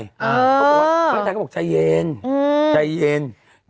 เพื่อไทยก็บอกใจเย็น